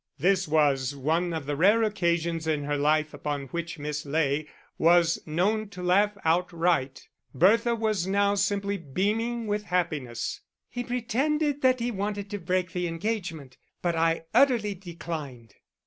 This was one of the rare occasions in her life upon which Miss Ley was known to laugh outright. Bertha now was simply beaming with happiness. "He pretended that he wanted to break the engagement but I utterly declined."